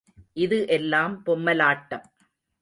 இது எல்லாம் பொம்மலாட்டம்.